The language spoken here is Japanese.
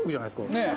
「ねえ？」